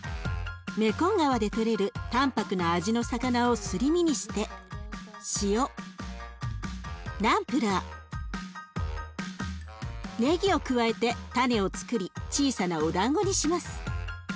メコン川で取れる淡白な味の魚をすり身にして塩ナンプラーねぎを加えてたねをつくり小さなおだんごにします。